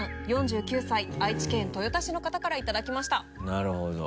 なるほど。